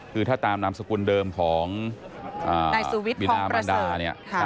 คือถ้าตามนามสกุลเดิมของนายสูวิทธิ์พร้อมประเสริฐ